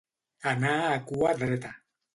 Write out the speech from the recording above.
Anar a cua dreta.